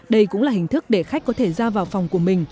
đây cũng là hình thức để khách có thể ra vào phòng của mình